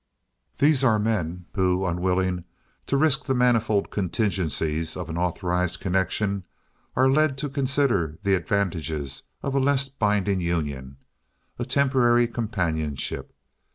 These are the men, who, unwilling to risk the manifold contingencies of an authorized connection, are led to consider the advantages of a less binding union, a temporary companionship.